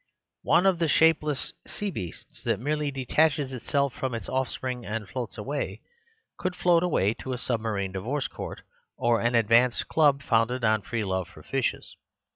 One of the shapeless sea beasts, that merely detaches itself from its offspring and floats away, could float away to a submarine divorce court, or an advanced club founded on free love for fishes.